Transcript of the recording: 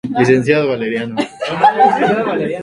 Desde entonces, ha actuado en varias telenovelas.